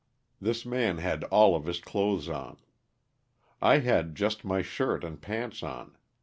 This man had all of his clothes on. I had just my shirt and pants on.